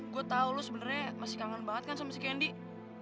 gue tau lo sebenarnya masih kangen banget kan sama si kendi